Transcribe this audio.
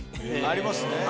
ありますね